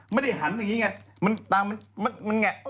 ไม่ได้หันอย่างนี้ไง